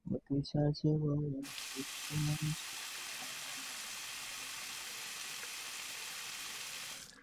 MCC কর্তৃপক্ষ জানিয়েছে, একাত্তর অ্যাপসটিতে নতুন আপডেটের মাধ্যমে এটি সমৃদ্ধ করা হবে।